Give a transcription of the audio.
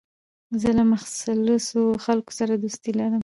زه له مخلصو خلکو سره دوستي لرم.